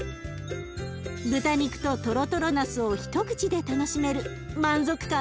豚肉とトロトロなすを一口で楽しめる満足感